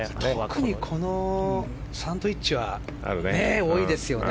特にこのサンドイッチは多いですよね。